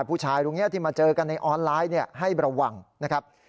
ผู้ชายตรงนี้ที่มาเจอกันในออนไลน์ให้ระวังนะครับ